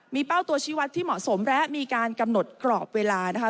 มีเป้าตัวชีวัตรที่เหมาะสมและมีการกำหนดกรอบเวลานะคะ